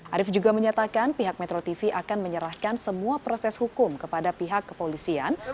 arief juga menyatakan pihak metro tv akan menyerahkan semua proses hukum kepada pihak kepolisian